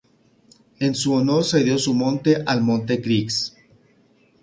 En su honor se dio su nombre al monte Griggs.